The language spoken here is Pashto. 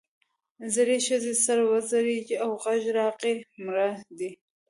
زړې ښځې سر وځړېد او غږ راغی مړه ده.